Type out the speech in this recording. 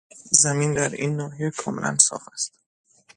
زمین در این ناحیه کاملا صاف است.